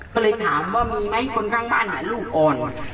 ก็เลยถามว่ามีไหมคนข้างบ้านหาลูกก่อน